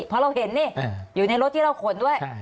เพราะเราเห็นนี่อยู่ในรถที่เราขนด้วย